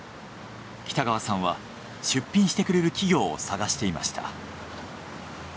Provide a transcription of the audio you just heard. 北川さんは出品してくれる企業を探していました。